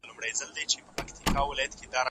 د قرآن کريم نزول رسول الله او صحابه وو ته ډاډ ورکاوه.